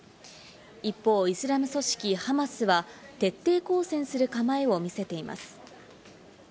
一方、イスラム組織ハマスは徹底抗戦する構えを見せています。